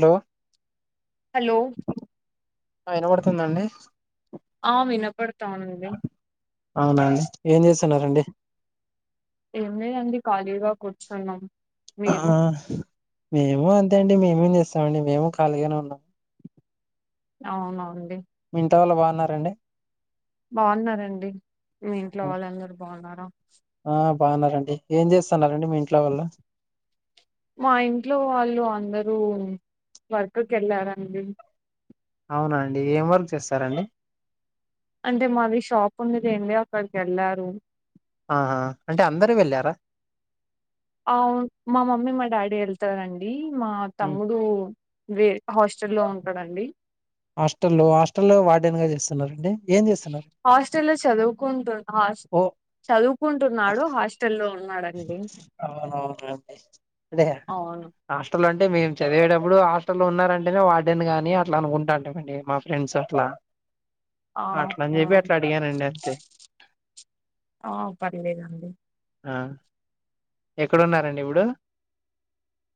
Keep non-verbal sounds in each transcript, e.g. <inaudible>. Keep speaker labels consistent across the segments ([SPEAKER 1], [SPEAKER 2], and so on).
[SPEAKER 1] Hello
[SPEAKER 2] hello
[SPEAKER 1] ఆ వినపడుతుందండి
[SPEAKER 2] ఆ వినపడతాంది
[SPEAKER 1] అవునండి ఏం చేస్తున్నారండి
[SPEAKER 2] ఏం లేదండి ఖాళీగా కూర్చున్నాం
[SPEAKER 1] ఆ
[SPEAKER 2] మీరు
[SPEAKER 1] మేము అంతే అండి మేమే చేస్తామండి మేము ఖాళీగానే ఉన్నాం
[SPEAKER 2] అవునవునండి
[SPEAKER 1] మీ ఇంట వాళ్ళు బాగున్నారండి
[SPEAKER 2] బాగున్నారండి మీ ఇంట్లో వాళ్ళందరు బాగున్నారా
[SPEAKER 1] ఆ బాగున్నారండి ఏం చేస్తున్నారండి మీ ఇంట్లో వాళ్ళు
[SPEAKER 2] మా ఇంట్లో వాళ్ళు అందరూ వర్క్కి వెళ్ళారండి
[SPEAKER 1] అవున అండి ఏం వర్క్ చేస్తారండి
[SPEAKER 2] అంటే మాది షాప్ ఉన్నది <unintelligible> అక్కడికి వెళ్ళారు
[SPEAKER 1] ఆహా అంటే అందరూ వెళ్ళారా
[SPEAKER 2] అవు మా మమ్మీ మా డాడీ వెళ్తారండి మా
[SPEAKER 1] ఉమ్.
[SPEAKER 2] తమ్ముడు వే హాస్టల్ లో ఉంటాడండి
[SPEAKER 1] హాస్టల్లో హాస్టల్లో వాడన్ గా చేస్తున్నారండి ఏం చేస్తున్నారు
[SPEAKER 2] హాస్టల్లో చదువుకుంటు హాస్
[SPEAKER 1] ఓ
[SPEAKER 2] చదువుకుంటున్నాడు హాస్టల్లో ఉన్నాడు
[SPEAKER 1] అవునవులేండి అదే
[SPEAKER 2] అవును
[SPEAKER 1] హాస్టల్లో అంటే మేము చదివేటప్పుడు హాస్టల్లో ఉన్నారంటేనే వార్డెన్ కాని అట్లా అనుకుంటాంటిమి నేను మా ఫ్రెండ్స్ అట్లా
[SPEAKER 2] ఆ
[SPEAKER 1] అట్ల అని
[SPEAKER 2] ఆ
[SPEAKER 1] చెప్పి అట్లా అడిగానండి అట్లే
[SPEAKER 2] ఆ పర్లేదండి
[SPEAKER 1] ఆ ఎక్కడున్నారండి ఇప్పుడు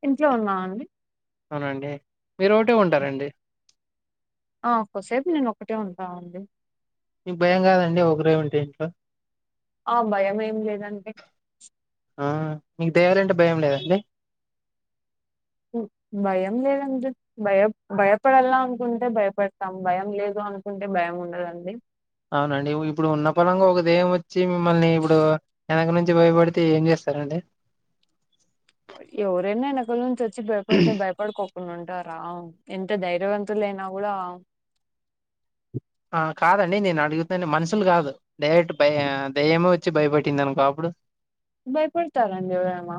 [SPEAKER 2] ఇంట్లో ఉన్నా అండి
[SPEAKER 1] అవునండి మీరు ఒకటే ఉంటారండి
[SPEAKER 2] ఆ కొసేపు నేను ఒకటే ఉంటా అండి
[SPEAKER 1] మభయం కాదండి ఒకరే ఉంటే ఇంట్లో
[SPEAKER 2] ఆ భయం ఏం లేదండి
[SPEAKER 1] ఆ మీకు దయ్యలంటే భయం లేదండి
[SPEAKER 2] భయం లేేదని చె భయ భయపడాల అనుకుంటే భయపడతాం భయం లేదు అనుకుంటే భయం ఉండదండి
[SPEAKER 1] అవునండి ఇప్పుడు ఉన్న పలంగా ఒక దయ్యం వచ్చి మిమ్మల్ని ఇప్పుడు ఎనక నుంచి భయపడితే ఏం చేస్తారండి
[SPEAKER 2] ఎవరెన ఏనక నుంచి వచ్చి భయపడితే భయప డుకోకుండా ఉంటారా ఎంత ధైర్యవంతులు అయినా కూడా
[SPEAKER 1] ఆ కాదండి నేను అడిగుతను మనుషులు కాదు డైరెక్ట్ బ దయ్యమే వచ్చి భయపెట్టిందనుకో అప్పుడు
[SPEAKER 2] భయపడతారు అండి ఎవరైనా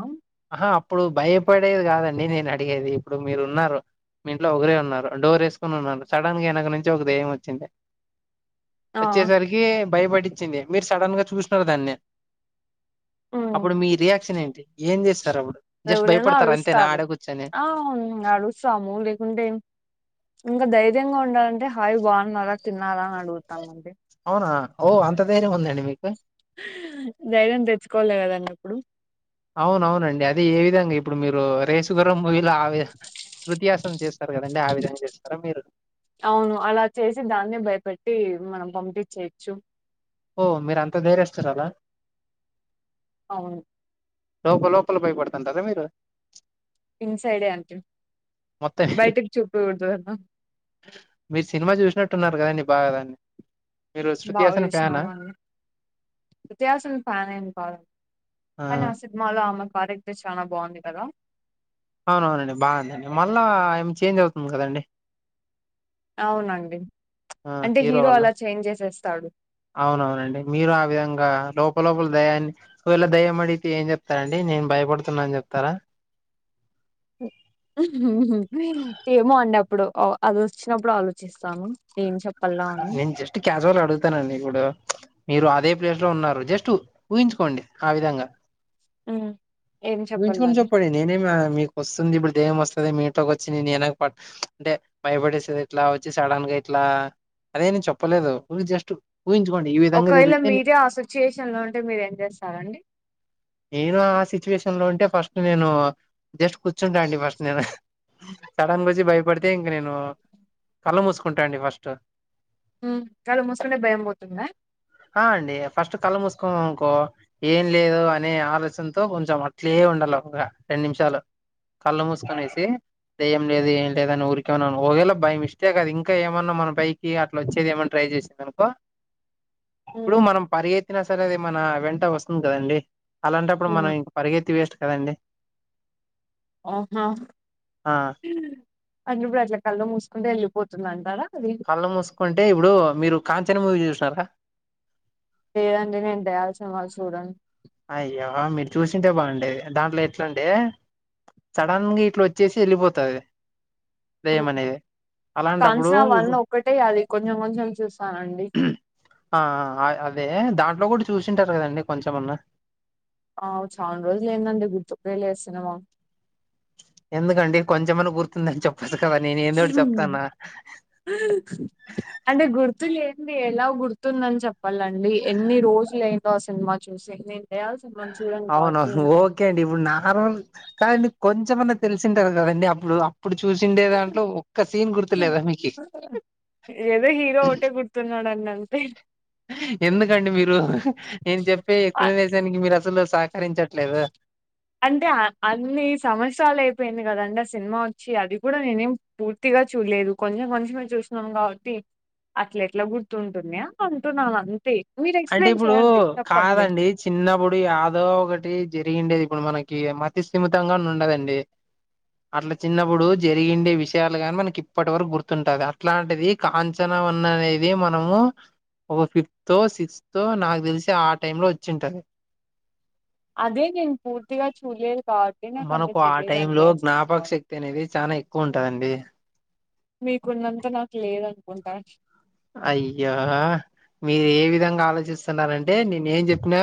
[SPEAKER 1] ఆహా అప్పుడు భయపడేది కాదండి నేను అడిగేది ఇప్పుడు మీరు ఉన్నారు మీ ఇంట్లో ఒకరే ఉన్నారు డోర్ ఏసుకని ఉన్నారు సడన్‌గా వెనుక నుంచి ఒక దేయం వచ్చింది
[SPEAKER 2] ఆ
[SPEAKER 1] వచ్చేసరికి భయపడిచింది మీరు సడన్గా చూసిన్నారు దాన్ని
[SPEAKER 2] ఉమ్
[SPEAKER 1] అప్పుడు మీ రియాక్షన్ ఏంటి ఏం చేస్తారు అప్పుడు జస్ట్
[SPEAKER 2] ఎవరైనా
[SPEAKER 1] భయపడతారు అంతేనా
[SPEAKER 2] అరుస్తారు
[SPEAKER 1] ఆడ కూర్చొని
[SPEAKER 2] ఆ అరుస్తాము లేకుంటే ఇంకా ధైర్యంగా ఉండాలంటే హాయ్ బాగున్నారా తిన్నారా అడుగుతామండి
[SPEAKER 1] అవునా ఓ అంత ధైర్యం ఉందండి మీకు
[SPEAKER 2] ధైర్యం తెచ్చుకోవాలి కదండీ అప్పుడు
[SPEAKER 1] అవునవునండి అదే ఏ విధంగా ఇప్పుడు మీరు రేసుగుర్రం మూవీలో ఆవె శృతిహాసన్ చేస్తారు కదండి ఆ విధంగా చేస్తారా మీరు
[SPEAKER 2] అవును అలా చేసి దాన్నే భయపెట్టి మనం పంపిచేయచ్చు
[SPEAKER 1] ఓ మీరు అంతా ధైర్యస్తురాల
[SPEAKER 2] అవును
[SPEAKER 1] లోపల లోపల భయపడుతుంటారా మీరు
[SPEAKER 2] ఇన్ సైడే అంటే
[SPEAKER 1] మొత్తం
[SPEAKER 2] బయటికి చూపియకూడదు కదా
[SPEAKER 1] మీరు సినిమా చూసినట్టున్నారు కదండి బాగా దాన్ని మీరు శృతిహాసన్ ఫ్యానా
[SPEAKER 2] శృతిహాసన్ ఫ్యాన్ ఏం కాదు కానీ ఆ సినీ మాలో ఆమె కార్యెక్టర్ చానా బాగుంది కదా
[SPEAKER 1] అవునవునండి బాగుందండి మళ్ళీ ఆమె చేంజ్ అవుతుంది కదండి
[SPEAKER 2] అవునండి
[SPEAKER 1] ఆ
[SPEAKER 2] అంటే హీరో
[SPEAKER 1] వల్ల
[SPEAKER 2] అలా చేంజ్ చేసేస్తాడు
[SPEAKER 1] అవునవునండి మీరు ఆ విధంగా లోపల లోపల దయాన్ని ఒకవేళ దయ్యం అడిగితే ఏం చెప్తారండి నేను భయపడుతున్నా అని చెప్తారా
[SPEAKER 2] ఏమో అండి అప్పుడు అది వచ్చినప్పుడు ఆలోచిస్తాను ఏం చెప్పాలా అని
[SPEAKER 1] నేను జస్ట్ క్యాజువల్‌గా అడుగుతానండి ఇప్పుడు మీరు అదే ప్లేసులో ఉన్నారు జస్ట్ ఊహించుకోండి ఆ విధంగా
[SPEAKER 2] ఉమ్ ఏం
[SPEAKER 1] ఊహించుకొని
[SPEAKER 2] చెప్పాలని
[SPEAKER 1] చెప్పండి నేనేమీ మీకు వస్తుంది ఇప్పుడు దయ్యం వస్తాది మీ ఇంట్లోకి వచ్చి నీనేక ప అంటే భయపడిస్తాది ఇట్లా వచ్చి సడన్గా ఇట్లా అదేమి చెప్పలేదు ఊకే జస్ట్ ఊహించుకోండి ఈ విధంగా
[SPEAKER 2] ఒకవేళ
[SPEAKER 1] జరిగితే
[SPEAKER 2] మీరే ఆ సిచ్యుయేషన్‌లో ఉంటే మీరు ఏం చేస్తారండి
[SPEAKER 1] నేను ఆ సిచ్యువేషన్‌లో ఉంటే ఫస్ట్ నేను జస్ట్ కూర్చుంటా అండి ఫస్ట్ నేను సడన్‌గా వచ్చి భయపడితే ఇంక నేను కళ్ళు మూసుకుంటా అండి ఫస్ట్
[SPEAKER 2] ఉమ్మ్ కళ్ళు ముసుకుంటే భయం పోతుందా
[SPEAKER 1] ఆ అండి ఫస్ట్ కళ్ళు మూసుకున్నామనుకో ఏం లేదు అ అనే ఆలోచనతో కొంచెం అట్లే ఉండాల ఒక రెండు నిమిషాలు కళ్ళు మూసుకంనేసి దయ్యం లేదు ఏం లేదని ఊరికే ఉన్నావ్ ఒకవేళ బై మిస్టేక్ అది ఇంకా ఏమన్నా మన పై కి అట్లా వచ్చేది ఏమన్నా ట్రై చేసిందనుకో అప్పుడు
[SPEAKER 2] ఉమ్
[SPEAKER 1] మనం పరిగెత్తిన సరే అది మన వెంట వస్తుంది కదండి అలాంటప్పుడు
[SPEAKER 2] ఉమ్
[SPEAKER 1] మనం పరిగెత్తి వేస్ట్ కదండి
[SPEAKER 2] ఆహా
[SPEAKER 1] ఆ
[SPEAKER 2] ఉమ్మ్ అది నువ్వే అట్ల కళ్ళు మూసుకుంటే యెళ్ళిపోతుంది అంటారా అది
[SPEAKER 1] కళ్ళు మూసుకుంటే ఇప్పుడు మీరు కాంచన మూవీ చూసినారా
[SPEAKER 2] లేదండి నేను దయ్యాల సినిమాలు చూడను
[SPEAKER 1] అయ్యో మీరు చూసుంటే బాగుండేది దాంట్లో ఎట్లంటే సడన్గా ఇట్లా వచ్చేసి ఎళ్ళిపోతది
[SPEAKER 2] ఉమ్
[SPEAKER 1] అలాంటప్పుడు
[SPEAKER 2] కాంచన వన్
[SPEAKER 1] ఇప్పుడు
[SPEAKER 2] ఒక్కటే అది కొంచెం కొంచెం చూసానండి
[SPEAKER 1] ఆ ఆ ఆ అదే దాంట్లో గూడా చూసింటారు కదండి కొంచెమన్నా
[SPEAKER 2] ఆ చాన రోజులు అయిదండి గుర్తుకే లేదు సినిమా
[SPEAKER 1] ఎందుకండి కొంచెంమైనా గుర్తుందని చెప్పొచ్చు కదా నేను ఏందో ఒకటి చెప్తన్నా
[SPEAKER 2] అంటే గుర్తులేంది ఎలా గుర్తుందని చెప్ వాళ్ళండి ఎన్ని రోజులైందో ఆ సినిమా చూసి నేను దయ్యాల సినిమాని చూడను గాబట్టి
[SPEAKER 1] అవునవును
[SPEAKER 2] నా
[SPEAKER 1] ఓకే అండి ఇప్పుడు నార్మల్ కాదండి కొంచెమన్నా తెలిసుంటది కదండి అప్పుడు ఇప్పుడు చూసిండే దాంట్లో ఒక్క సీన్ గుర్తులేదా మీకి
[SPEAKER 2] టున్నడనన్
[SPEAKER 1] ఎందుకండి మీరు నేను చెప్పే
[SPEAKER 2] ఆ
[SPEAKER 1] ఎక్ప్స్లనేషన్ దానికి మీరు అసలు సహకరించట్లేదు
[SPEAKER 2] అంటే అన్ని సంవత్సరాలు అయిపోయింది కదండి ఆ సినిమా వచ్చి అది గూడా నేనేం పూర్తి పూర్తిగా చూడలేదు కొంచెం కొంచమే చూసిన్నాం గాబట్టి అట్ల ఎట్లా గుర్తుంటున్నాయా అంటున్నా అంతే మీరు
[SPEAKER 1] అంటే
[SPEAKER 2] ఎక్స్ప్లెయిన్
[SPEAKER 1] ఇప్పుడు
[SPEAKER 2] చేయండి చెప్పండి
[SPEAKER 1] కాదండి చిన్నప్పుడు ఏదో ఒకటి జరిగిండేది ఇప్పుడు మనకి మతిస్థిమితంగా ఉండదండి అట్ల చిన్నప్పుడు జరిగిండే విషయాలు గాని మనకి ఇప్పటి వరకు గుర్తుంటది అట్లాంటిది కాంచనా వన్ అనేది మనము ఒక ఫిఫ్త్ తో సిక్స్త్ తో నాకు దెలిసి ఆ టైమ్ లో వచ్చుంటది
[SPEAKER 2] అదే నేను పూర్తిగా చూలేదు కాబట్టి నాకు అంత తెలియదండి అసలు
[SPEAKER 1] తినేది చానా ఎక్కువ ఉంటదండి
[SPEAKER 2] మీకున్నంత నాకు లేదనుకుంటా
[SPEAKER 1] అయ్యో మీరు ఏ విధంగా ఆలోచిస్తున్నారంటే నేను ఏం జెప్పినా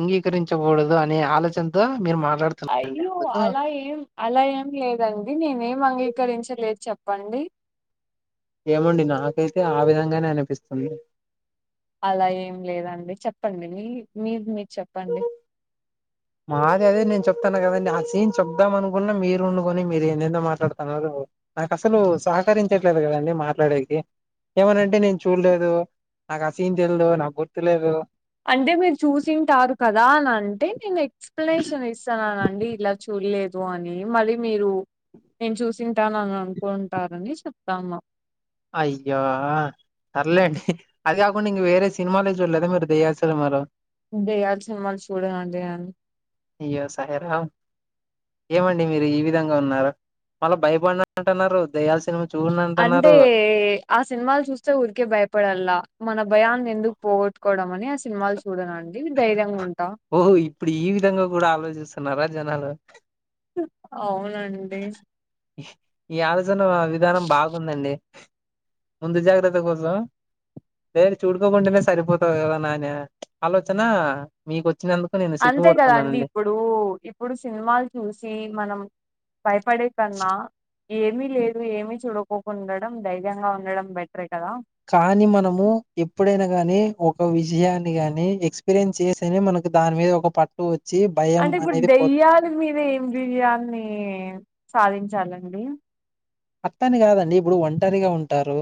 [SPEAKER 1] అంగీకరించగూడదు అనే ఆలోచనతో మీరు మాట్లాడు
[SPEAKER 2] అయ్యో అలా ఏం అలా ఏం లేదండి నేనేమ్ అంగీకరించలేదు చెప్పండి
[SPEAKER 1] ఏమండి నాకైతే ఆ విధంగానే అనిపిస్తుంది
[SPEAKER 2] అలా ఏం లేదండి చెప్పండి మీ మీది మీరు చెప్పండి
[SPEAKER 1] మాది అదే నేను చెప్తాను కదండి ఆ సీన్ చెప్దాం అనుకున్న మీరు వండుకొని మీరు ఏందెందో మాట్లాడుతున్నారు నాకు అసలు సహకరించట్లేదు కదండి మాట్లాడేకి ఏమనంటే నేను చూడలేదు నాకు అ సీన్ తెలిదు నాకు గుర్తులేదు
[SPEAKER 2] అంటే మీరు చూసింటారు కదా అని అంటే నేను ఎక్ ఎక్స్ప్లనేషన్ ఇస్తన్నానండి ఇలా చూడలేదు అని మళ్ళీ మీరు నేను చూసింటానని అనుకుంటారని చెప్తనా
[SPEAKER 1] అయ్యో పర్లేండి అది కాకుండా ఇంగ వేరే సినిమాలే చూడలేదా మీరు దయ్యాల సినిమాలూ
[SPEAKER 2] దయ్యాల సినిమాలు చూడనండి నేను
[SPEAKER 1] ఇయ్యో సాయిరాం ఏమండి మీరు ఈ విధంగా ఉన్నారు మళ్ళా భయపడనం అంటున్నారు దయ్యాల సినిమా చూడను
[SPEAKER 2] అండే
[SPEAKER 1] అంటున్నారు
[SPEAKER 2] ఆ సినిమాలు చూస్తే ఊరికే భయపడాలా మన భయాన్ని ఎందుకు పోగొట్టుకోవడం అని ఆ సినిమాలు చు చూడనండి ధైర్యంగా ఉంటా
[SPEAKER 1] ఓహో ఇప్పుడు ఈ విధంగా కూడా ఆలోచిస్తున్నారా జనాలు
[SPEAKER 2] అవునండి
[SPEAKER 1] ఈ ఆలోచన విధానం బాగుందండి ముందు జాగ్రత్త కోసం వేర చూడుకోకుండానే సరిపోతావు కదా నాని ఆలోచన మీకు వచ్చినందుకు నేను సిగ్గుపడుతున్నానండి
[SPEAKER 2] నువ్వు ఇప్పుడు సినిమాలు చూసి మనం భయపడే కన్నా ఏమి లేదు ఏమి చూడకోకుండడం ధైర్యంగా ఉండడం బెటరే కదా
[SPEAKER 1] కానీ మనము ఎప్పుడైనా గాని ఒక విజయాన్ని గాని ఎక్స్పీరియన్స్ చేసి తేనే దాని మీద ఒక పట్టు వచ్చి భయం అనేది పో
[SPEAKER 2] మీద్ మీది ఏం బిర్యానీ సాధించాలండి
[SPEAKER 1] అత్తాన్ని కాదండి ఇప్పుడు ఒంటరిగా ఉంటారు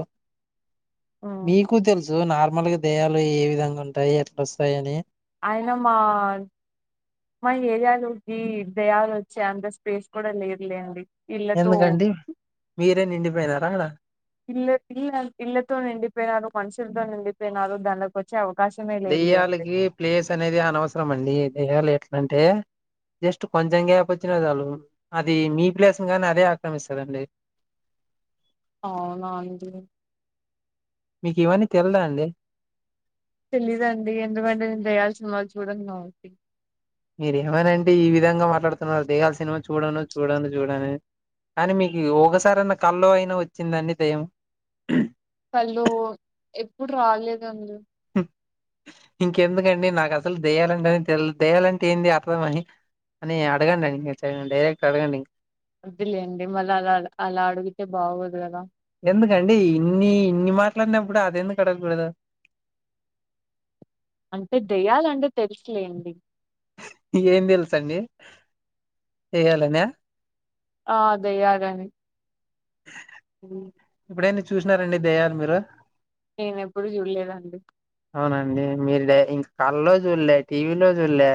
[SPEAKER 2] హ్మ్
[SPEAKER 1] మీకు తెలుసు ఇప్పుడు నార్మల్ గా దయ్యాలు ఏ విధంగా ఉంటాయి ఎట్లా వస్తాయి అని
[SPEAKER 2] అయిన మా మా ఏరియాలోకి దెయ్యాలు వచ్చే అంత స్పేస్ కూడా లేదు లెండి
[SPEAKER 1] ఎందుకండి మీరే నిండిపోయినారా ఆడ
[SPEAKER 2] పిల్లె పిల్ల ఇళ్లతో నిండిపోయినారు మనుషులతో నిండిపోయినారు దానాలకు వచ్ వచ్చే అవకాశమే లేదులేండి
[SPEAKER 1] దెయ్యాలకి ప్లేస్ అనేది అనవసరం అండి దెయ్యాలు ఎట్లా అంటే జస్ట్ కొంచెం గ్యాప్ వచ్చిన చాలు అది మీ ప్లేస్ గానీ అదే ఆక్రమిస్తదండి.
[SPEAKER 2] అవునా అండి
[SPEAKER 1] మీకు ఇవన్నీ తెల్దా అండి
[SPEAKER 2] తెలీదండి ఎందుకంటే నేను దయ్యాల సినిమాలు చూడను కావట్టి
[SPEAKER 1] మీరు ఏమైనా అంటే ఈ విధంగా మాట్లాడుతున్నారు దయ్యాల సినిమా చూడను చూడను చూడను అన్ కానీ మీకు ఒకసారి అన్నా కల్లో అయినా వచ్చిందా అండి దయ్యం
[SPEAKER 2] కల్లో ఎప్పుడు రాలేదండి
[SPEAKER 1] ఇంకెందుకండి నాకు అసలు దేయాలంటే అని తెలిదు దేయాలంటే ఏంది అర్థమని అని అడగండి అండి మీరు డైరెక్ట్ అడగండి
[SPEAKER 2] వద్దులే అండి మల్ల అలా అలా అడిగితే బాగోదు కదా
[SPEAKER 1] ఎందుకండి ఇన్ని ఇన్ని మాట్లాడినప్పుడు అది ఎందుకు అడగకూడదు
[SPEAKER 2] అంటే దెయ్యాలంటే తెలుసులేండి
[SPEAKER 1] ఏం తెలుసు అండి దెయ్యాలనే
[SPEAKER 2] ఆ దెయ్యాలని
[SPEAKER 1] ఇప్పుడన్నా చూసినారండి దయ్యాలు మీరు
[SPEAKER 2] నేనెప్పుడూ చూలేదండి
[SPEAKER 1] అవునండి మీరు డ ఇంకా కల్లో చూల్లే టీవీలో చూల్లే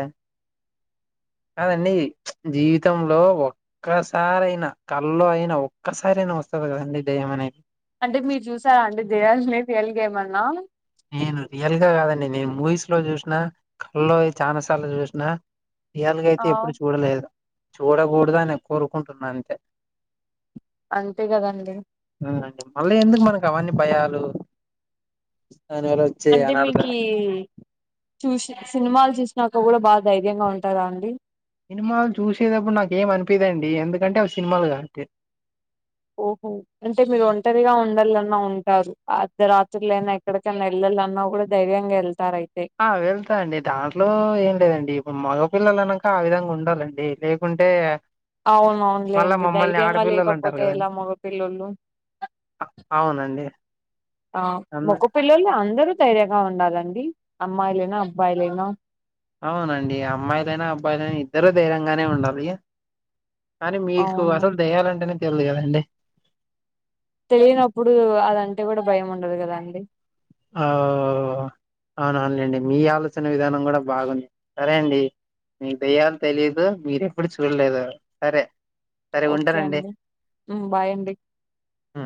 [SPEAKER 1] కాదండి ఉచ్ జీవితంలో ఒక్కసారి అయినా కల్లో అయిన ఒక్కసారైనా వస్తాది కదండి దెయ్యం మనే
[SPEAKER 2] అంటే మీరు చూసారా అండి దెయ్యాలు రియాల్గేమన్నా
[SPEAKER 1] నేను రియల్ గా కాదండి నేను మూవీస్ లో చూసినా కల్లో చానాసార్లు చూసినా రియాల్గా
[SPEAKER 2] ఆ
[SPEAKER 1] అయితే ఎప్పుడు చూడలేదు. చూడకూడదు అని కోరుకుంటున్నా అంతే
[SPEAKER 2] అంతే కదండి
[SPEAKER 1] అండి మళ్ళీ ఎందుకు మనకు అవన్నీ భయాలు దానివల
[SPEAKER 2] అంటే మీకీ చూసి సినిమాలు చూసినాక కూడా బా ధైర్యంగా ఉంటాదా అండి
[SPEAKER 1] సినిమాలు చూసేటప్పుడు నాకు ఏం అనిపియదండి ఎందుకంటే అవి సినిమాలు కాబట్టి
[SPEAKER 2] ఓహో అంటే మీరు ఒంటరిగా ఉండాలన్నా ఉంటారు అర్ధ రాత్రులు అయిన ఎక్కడికైనా వెళ్ళాలన్నా కూడా ధైర్యంగా వెళ్తా తారైతాయి
[SPEAKER 1] ఆ వెళ్తా అండి దాంట్లో ఏం లేదండి ఇప్పుడు మగ పిల్లలు అనంక ఆ విధంగా ఉండాలండి లేకుంటే
[SPEAKER 2] అవును
[SPEAKER 1] మళ్ళా
[SPEAKER 2] అవునులేండి
[SPEAKER 1] మమ్మల్ని
[SPEAKER 2] ధైర్యంగా
[SPEAKER 1] ఆడపిల్లలు అంటారు
[SPEAKER 2] లేకపోతే
[SPEAKER 1] కదండి
[SPEAKER 2] ఎలా మగపిల్లలు
[SPEAKER 1] అవునండి అన్న
[SPEAKER 2] మగ పిల్లలు అందరూ ధైర్యగా ఉండాలండి అమ్మాయిలైనా అబ్బాయిలైనా
[SPEAKER 1] అవునండి అమ్మాయిలైనా అబ్బాయిలైనా ఇద్దరు ధైర్యంగానే ఉండాలి కానీ మీకు
[SPEAKER 2] అవును
[SPEAKER 1] అసలు దయాలంటేనే తెలియదండి
[SPEAKER 2] తెలియనప్పుడు అదంటే కూడా భయం ఉండదు గదండి
[SPEAKER 1] ఆ అవునవునులేండి మీ ఆలోచన విధానం గూడా బాగుంది సరే అండి మీకు దయ్యాలు తెలీదు మీరు ఎప్పుడు చూడలేదు సరే సరే
[SPEAKER 2] ఓకే
[SPEAKER 1] ఉంటానండి
[SPEAKER 2] అండి ఉమ్ బాయ్ అండి
[SPEAKER 1] హ్మ్.